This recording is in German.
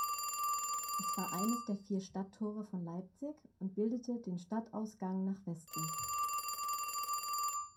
Es war eines der vier Stadttore von Leipzig und bildete den Stadtausgang nach Westen.